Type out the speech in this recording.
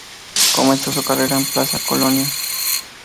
Comenzó su carrera en Plaza Colonia.